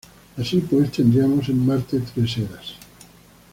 Así pues tendríamos en Marte tres eras.